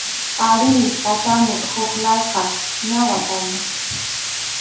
Arí, pasanmi huk layqa, ña wataña.